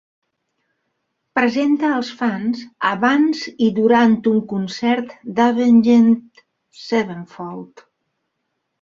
Presenta els fans abans i durant un concert d'Avenged Sevenfold.